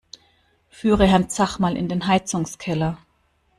Führe Herrn Zach mal in den Heizungskeller!